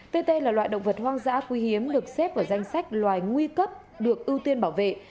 tt là loại động vật hoang dã quý hiếm được xếp vào danh sách loài nguy cấp được ưu tiên bảo vệ